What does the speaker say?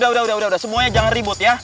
udah udah semuanya jangan ribut ya